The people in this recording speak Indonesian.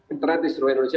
internet di seluruh indonesia